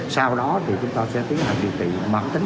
sau đó thì chúng ta sẽ tiến hành điều trị mạng tính